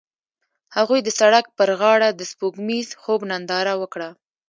هغوی د سړک پر غاړه د سپوږمیز خوب ننداره وکړه.